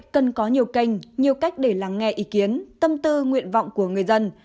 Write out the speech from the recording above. cần có nhiều kênh nhiều cách để lắng nghe ý kiến tâm tư nguyện vọng của người dân